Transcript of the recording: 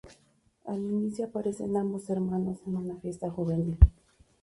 Al inicio aparecen ambos hermanos en una fiesta juvenil.